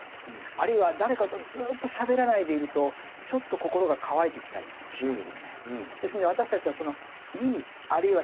あるいは誰かとずっとしゃべらないでいるとちょっと心が乾いてきたりしますよね。